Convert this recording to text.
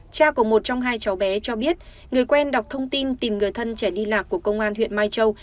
cha của một trong hai cháu bé cho biết người quen đọc thông tin tìm người thân trẻ đi lạc của công an huyện mai châu